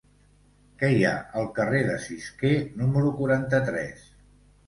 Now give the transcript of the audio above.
Què hi ha al carrer de Cisquer número quaranta-tres?